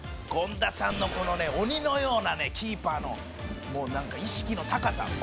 「権田さんのこのね鬼のようなねキーパーのもうなんか意識の高さ」